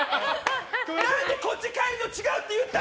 何でこっち変えるの違うって言ったの！？